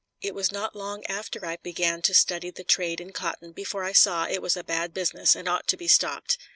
It was not long after I began to study the trade in cotton before I saw it was a bad business and ought to be stopped.